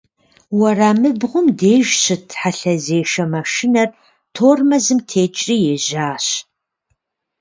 Уэрамыбгъум деж щыт хьэлъэзешэ машинэр тормозым текӀри ежьащ.